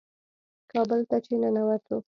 کابل ته چې ننوتو.